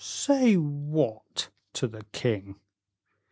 "Say what to the king?"